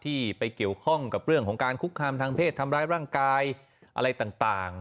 ไปเกี่ยวข้องกับเรื่องของการคุกคามทางเพศทำร้ายร่างกายอะไรต่าง